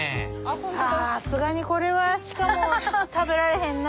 さすがにこれは鹿も食べられへんな。